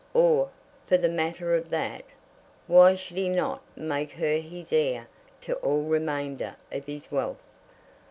Or, for the matter of that, why should he not make her his heir to all remainder of his wealth?